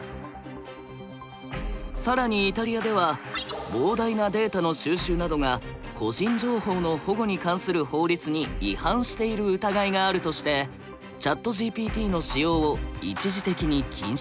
更にイタリアでは「膨大なデータの収集などが個人情報の保護に関する法律に違反している疑いがある」としてＣｈａｔＧＰＴの使用を一時的に禁止。